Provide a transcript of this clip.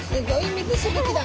水しぶきだ。